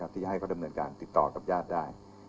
ที่ให้เขาดำเนินการติดต่อกับญาติได้